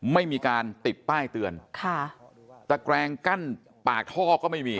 ไม่มีการติดป้ายเตือนค่ะตะแกรงกั้นปากท่อก็ไม่มี